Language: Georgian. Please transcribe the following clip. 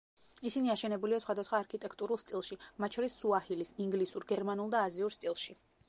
ისინი აშენებულია სხვადასხვა არქიტექტურულ სტილში, მათ შორის სუაჰილის, ინგლისურ, გერმანულ და აზიურ სტილში.